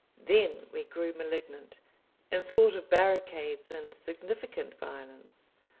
Then we grew malignant, and thought of barricades and significant violence.